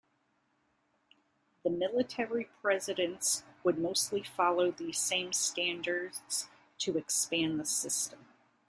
The military presidents would mostly follow these same standards to expand the system.